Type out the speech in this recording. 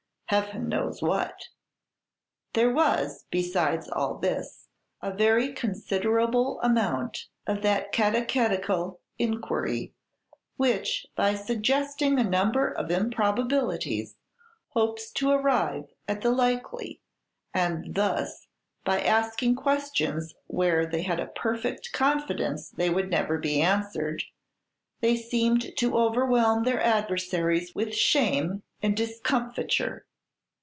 Heaven knows what. There was, besides all this, a very considerable amount of that catechetical inquiry, which, by suggesting a number of improbabilities, hopes to arrive at the likely, and thus, by asking questions where they had a perfect confidence they would never be answered, they seemed to overwhelm their adversaries with shame and discomfiture.